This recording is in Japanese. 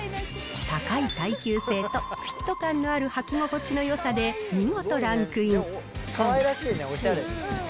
高い耐久性とフィット感のある履き心地のよさで、見事ランクイン。